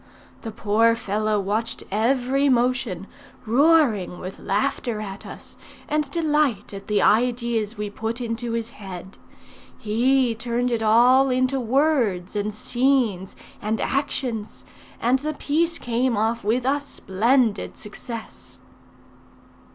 The poor fellow watched every motion, roaring with laughter at us, and delight at the ideas we put into his head. He turned it all into words, and scenes, and actions; and the piece came off with a splendid success."